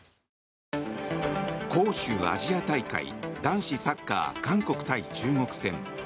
杭州アジア大会男子サッカー韓国対中国戦。